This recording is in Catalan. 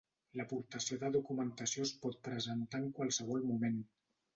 L'aportació de documentació es pot presentar en qualsevol moment.